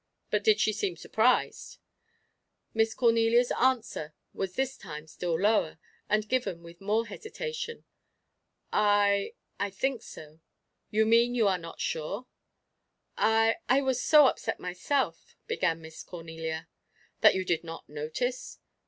But did she seem surprised?" Miss Cornelia's answer was this time still lower, and given with more hesitation. "I I think so." "You mean you are not sure?" "I I was so upset myself" began Miss Cornelia. "That you did not notice?"